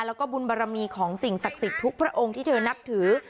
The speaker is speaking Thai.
แล้วก็บุญบารมีของสิ่งศักดิ์สิทธิ์ทุกพระองค์ที่เธอนับถือ